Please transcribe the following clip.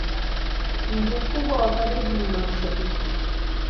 Mji mkubwa wa karibu ni Marsabit.